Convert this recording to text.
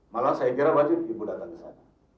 malah saya kira wajib ibu datang ke sana